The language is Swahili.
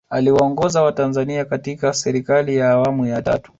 Aliwaongoza watanzania katika Serikali ya Awamu ya tatu